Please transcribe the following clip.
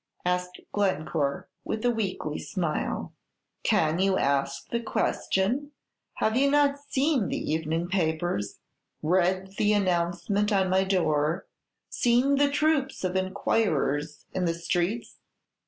asked Glencore, with a weakly smile. "Can you ask the question? Have you not seen the evening papers, read the announcement on my door, seen the troops of inquirers in the streets?"